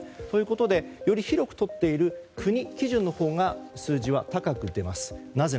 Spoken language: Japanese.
ということはより広くとっている国基準のほうが数字は高く出ます。